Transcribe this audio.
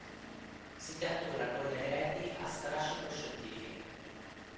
Si cattura con le reti a strascico scientifiche.